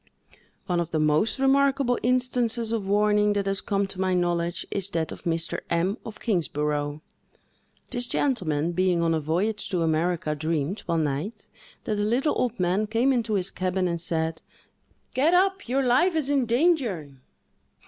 One of the most remarkable instances of warning that has come to my knowledge, is that of Mr. M——, of Kingsborough. This gentleman, being on a voyage to America, dreamed, one night, that a little old man came into his cabin and said, "Get up! Your life is in danger!"